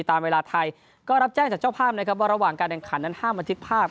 ตามเวลาไทยก็รับแจ้งจากเจ้าภาพนะครับว่าระหว่างการแข่งขันนั้นห้ามบันทึกภาพ